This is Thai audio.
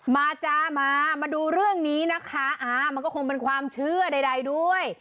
มาจ้ามามาดูเรื่องนี้นะคะอ่ามันก็คงเป็นความเชื่อใดด้วย